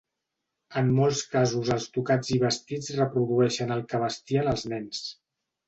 En molts casos els tocats i vestits reprodueixen el que vestien els nens.